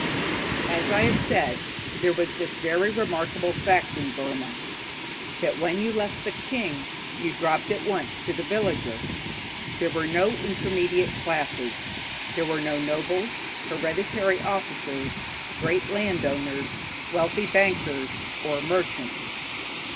_ As I have said, there was this very remarkable fact in Burma that when you left the king, you dropped at once to the villager. There were no intermediate classes. There were no nobles, hereditary officers, great landowners, wealthy bankers or merchants.